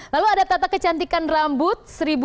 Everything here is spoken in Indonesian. lalu ada tata kecantikan rambut